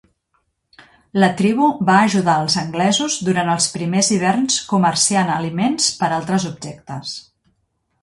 La tribu va ajudar als anglesos durant els primers hiverns comerciant aliments per altres objectes.